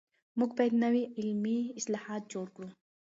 موږ بايد نوي علمي اصطلاحات جوړ کړو.